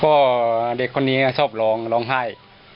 ก็เด็กคนนี้ชอบร้องร้องไห้